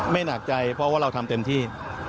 หนักใจเพราะว่าเราทำเต็มที่